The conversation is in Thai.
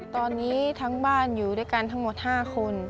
ตอนนี้ทั้งบ้านอยู่ด้วยกันทั้งหมด๕คน